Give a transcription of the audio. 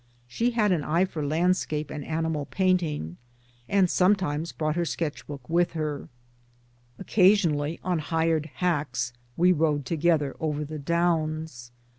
She had an eye for landscape and animal painting, and some times brought her sketch book with her. 'Occasion ally on hired hacks we rode together over the Downs.